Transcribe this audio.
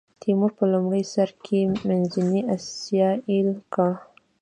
تیمور په لومړي سر کې منځنۍ اسیا ایل کړه.